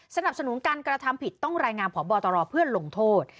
สนับสนุนการกระทำผิดต้องรายงานพบตรเพื่อลงโทษ